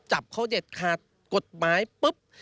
จับเขาเด็ดขาดกฎหมายปุ๊บ